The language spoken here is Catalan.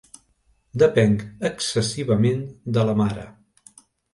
Depenc excessivament de la mare.